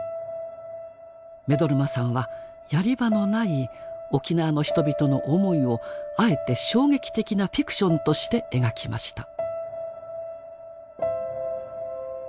目取真さんはやり場のない沖縄の人々の思いをあえて衝撃的なフィクションとして描きました。